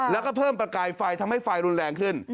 แล้วก็เพิ่มประกายไฟทำให้ไฟรุนแรงขึ้น